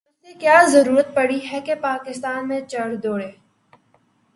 اسے کیا ضرورت پڑی ہے کہ پاکستان پہ چڑھ دوڑے۔